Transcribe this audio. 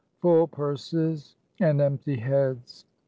full purses and empty heads!